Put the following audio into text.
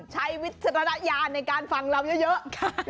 ไว้วิทยาณในการฟังเราเยอะ